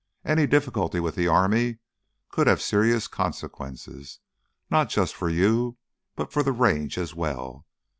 Any difficulty with the army could have serious consequences, not just for you, but for the Range as well.